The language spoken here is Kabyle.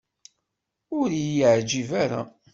Ur iyi-yeɛjib ara.